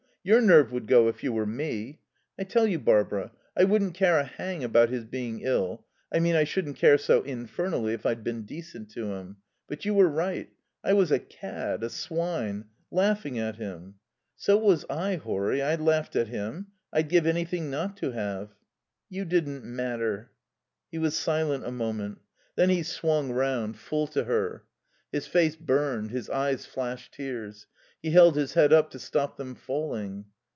Your nerve would go if you were me. I tell you, Barbara, I wouldn't care a hang about his being ill I mean I shouldn't care so infernally if I'd been decent to him. ... But you were right I was a cad, a swine. Laughing at him." "So was I, Horry. I laughed at him. I'd give anything not to have." "You didn't matter...." He was silent a moment. Then he swung round, full to her. His face burned, his eyes flashed tears; he held his head up to stop them falling.